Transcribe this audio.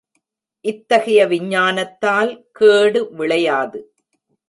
இத்தகைய விஞ்ஞானத்தால் கேடு விளையாது.